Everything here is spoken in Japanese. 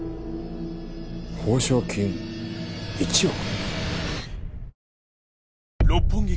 報奨金１億！？